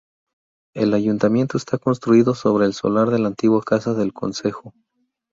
El Ayuntamiento está construido sobre el solar de la antigua Casa del Concejo.